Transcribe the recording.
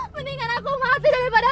mendingan aku mati daripada